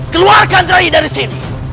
keluarkan rai dari sini